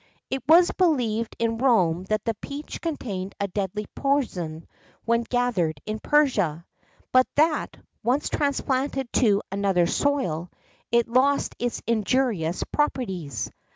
It was believed in Rome that the peach contained a deadly poison when gathered in Persia;[XII 66] but that, once transplanted to another soil, it lost its injurious properties.